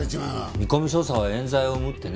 見込み捜査は冤罪を生むってね。